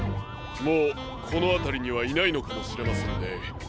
もうこのあたりにはいないのかもしれませんね。